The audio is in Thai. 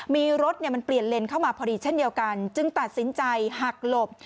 มีรถมันเปลี่ยนเลนเข้ามาพอดีเช่นเดียวกันจึงตัดสินใจหักหลบ